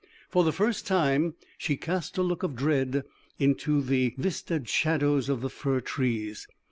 For the first time she cast a look of dread into the vistaed shadows of the fir trees.